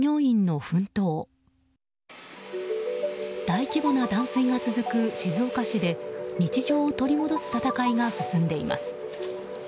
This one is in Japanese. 大規模な断水が続く静岡市で日常を取り戻す戦いが進んでいます。